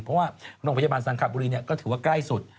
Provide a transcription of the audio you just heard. เหรอว่ามันถือว่าก็ใกล้สุด